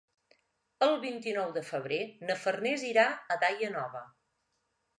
El vint-i-nou de febrer na Farners irà a Daia Nova.